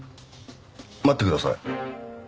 待ってください。